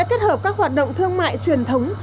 kết hợp các hoạt động thương mại truyền thống